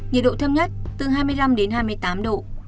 nhiệt độ thấp nhất từ hai mươi năm đến hai mươi tám độ